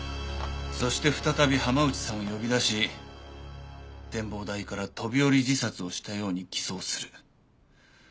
そして再び浜内さんを呼び出し展望台から飛び降り自殺をしたように偽装する。